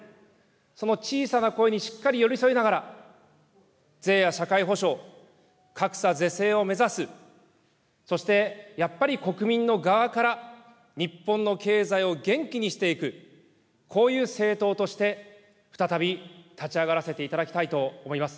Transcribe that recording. その小さな声にしっかり寄り添いながら、税や社会保障、格差是正を目指す、そしてやっぱり国民の側から日本の経済を元気にしていく、こういう政党として、再び立ち上がらせていただきたいと思います。